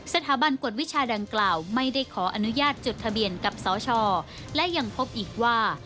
สถาบันกฎวิชาดังกล่าวไม่ได้ขออนุญาตจดทะเบียนกับสชและยังพบอีกว่า